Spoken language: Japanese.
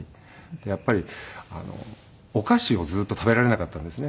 やっぱりお菓子をずっと食べられなかったんですね。